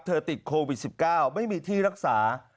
ติดโควิด๑๙ไม่มีที่รักษา